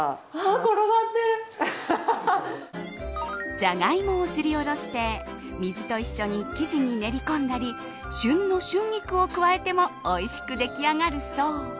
ジャガイモをすりおろして水と一緒に生地に練り込んだり旬の春菊を加えてもおいしくでき上がるそう。